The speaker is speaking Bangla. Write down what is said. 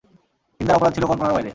হিন্দার অপরাধ ছিল কল্পনারও বাইরে।